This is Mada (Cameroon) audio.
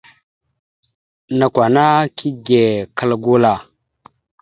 Nakw ana kige kəla gula.